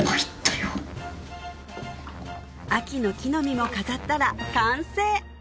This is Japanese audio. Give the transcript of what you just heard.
秋の木の実も飾ったら完成！